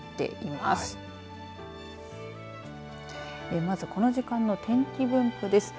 まずこの時間の天気分布です。